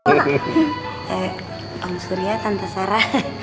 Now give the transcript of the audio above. eh om surya tante sarah